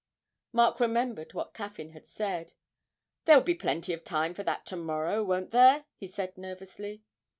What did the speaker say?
Mark remembered what Caffyn had said. 'There will be plenty of time for that to morrow, won't there?' he said nervously.